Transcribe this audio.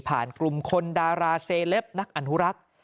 ผ่านกลุ่มคนดาราเซเลปนักอนฮุรัค